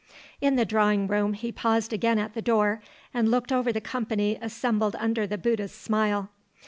In the drawing room, he paused again at the door, and looked over the company assembled under the Bouddha's smile.